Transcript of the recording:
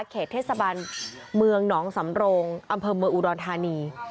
เขตเทศบาลเมืองหนองสำโรงอำเภอเมืองอุดรธานี